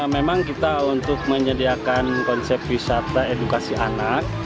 memang kita untuk menyediakan konsep wisata edukasi anak